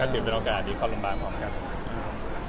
ถ้าถือเป็นโอกาสดีข้อโรงพยาบาลพอเหมือนกัน